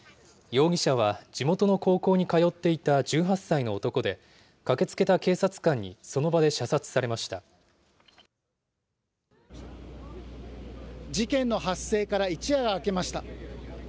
容疑者は地元の高校に通っていた１８歳の男で、駆けつけた警察官事件の発生から一夜が明けました。